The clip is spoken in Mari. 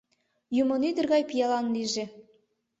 Юмынӱдыр гай пиалан лийже